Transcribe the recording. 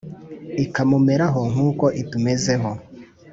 ikamumeraho nk’uko itumezeho